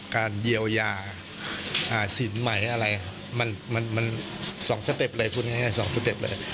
การเยียวยาสินใหม่อะไรมัน๒สเต็ปเลยพูดง่าย๒สเต็ปเลย